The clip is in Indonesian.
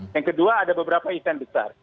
yang kedua ada beberapa event besar